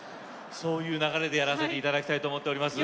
そういう流れで、やらせていただきたいと思っています。